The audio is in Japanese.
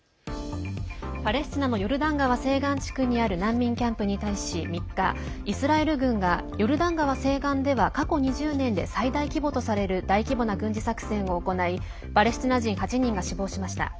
パレスチナのヨルダン川西岸地区にある難民キャンプに対し、３日イスラエル軍がヨルダン川西岸では過去２０年で最大規模とされる大規模な軍事作戦を行いパレスチナ人８人が死亡しました。